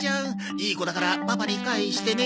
いい子だからパパに返してね。